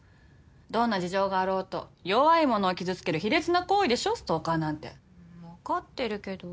どんな事情があろうと弱い者を傷つける卑劣な行為でしょストーカーなんて。分かってるけど。